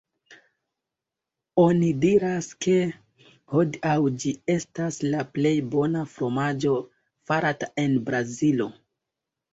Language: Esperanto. Oni diras ke hodiaŭ ĝi estas la plej bona fromaĝo farata en Brazilo.